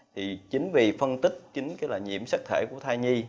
thì chính vì phân tích chính cái là nhiễm sắc thể của thai nhi